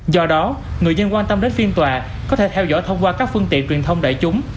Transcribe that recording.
do đó người dân quan tâm đến phiên tòa có thể theo dõi thông qua các phương tiện truyền thông đại chúng